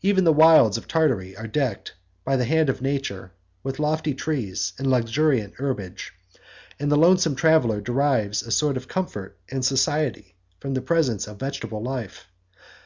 Even the wilds of Tartary are decked, by the hand of nature, with lofty trees and luxuriant herbage; and the lonesome traveller derives a sort of comfort and society from the presence of vegetable life.